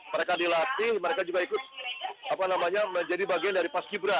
mereka dilatih mereka juga ikut apa namanya menjadi bagian dari pas gibra